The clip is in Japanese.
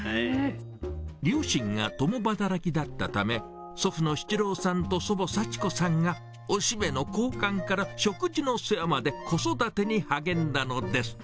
両親が共働きだったため、祖父の七郎さんと祖母、幸子さんがおしめの交換から、食事の世話まで、子育てに励んだのだ。